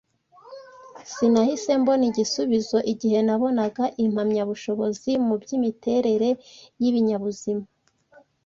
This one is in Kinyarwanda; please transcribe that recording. Sinahise mbona igisubizo. Igihe nabonaga impamyabushobozi mu by’imiterere y’ibinyabuzima